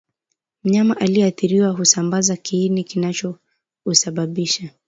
Mnyama aliyeathiriwa husambaza kiini kinachousababisha